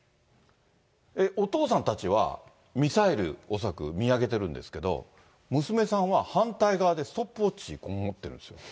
お父さんたちは、ミサイルを恐らく見上げてるんですけど、娘さんは反対側でストップウォッチを持ってるんですよ。